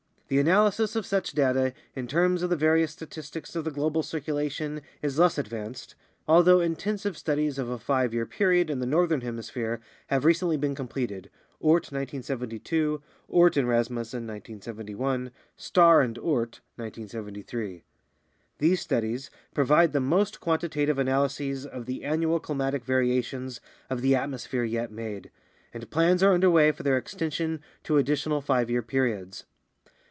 The analysis of such data in terms of the various statistics of the global circulation is less advanced, although intensive studies of a five year period in the northern hemisphere have recently been completed (Oort, 1972; Oort and Rasmusson, 1971; Starr and Oort, 1973). These studies provide the most quantitative analyses of the annual climatic variations of the atmosphere yet made, and plans are under way for their extension to additional five year periods.